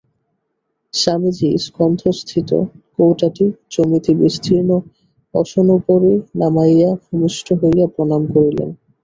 স্বামীজী স্কন্ধস্থিত কৌটাটি জমিতে বিস্তীর্ণ আসনোপরি নামাইয়া ভূমিষ্ঠ হইয়া প্রণাম করিলেন।